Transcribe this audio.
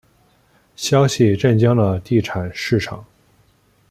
消息震惊了地产市场。